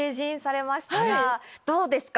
どうですか？